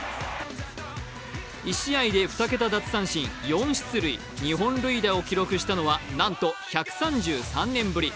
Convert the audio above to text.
１試合で２桁奪三振、４出塁、２本塁打を記録したのはなんと１３３年ぶり。